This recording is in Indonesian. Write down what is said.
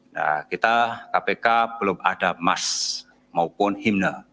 nah kita kpk belum ada emas maupun himne